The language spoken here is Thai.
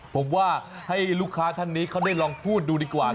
ผมว่าให้ลูกค้าท่านนี้เขาได้ลองพูดดูดีกว่า